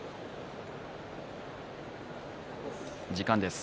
時間です。